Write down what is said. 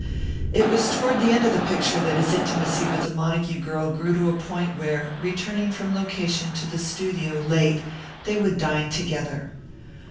It was toward the end of the picture that his intimacy with the Montague girl grew to a point where, returning from location to the studio late, they would dine together.